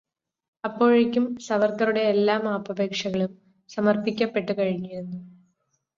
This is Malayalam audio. അപ്പോഴേയ്ക്കും സവർക്കറുടെ എല്ലാ മാപ്പപേക്ഷകളും സമർപ്പിക്കപ്പെട്ടു കഴിഞ്ഞിരുന്നു.